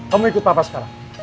kamu ikut papa sekarang